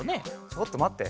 ちょっとまって。